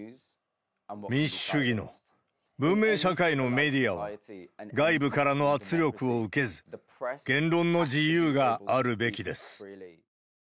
民主主義の文明社会のメディアは、外部からの圧力を受けず、言論の自由があるべきです。